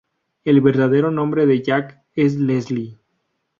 El verdadero nombre de Jake es Leslie.